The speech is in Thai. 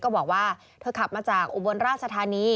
บอกว่าเธอขับมาจากอุบลราชธานี